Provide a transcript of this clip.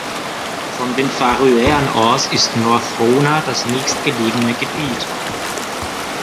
Von den Färöern aus ist North Rona das nächstgelegene Gebiet.